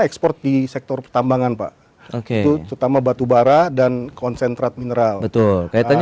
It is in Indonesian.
ekspor di sektor pertambangan pak oke itu terutama batubara dan konsentrat mineral betul kaitannya